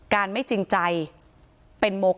การแก้เคล็ดบางอย่างแค่นั้นเอง